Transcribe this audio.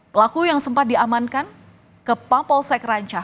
pelaku yang sempat diamankan ke mapolsek rancah